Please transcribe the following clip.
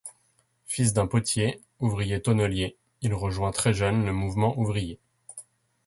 Fils d'un potier, ouvrier tonnelier, il rejoint très jeune le mouvement ouvrier.